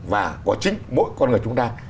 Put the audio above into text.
và của chính mỗi con người chúng ta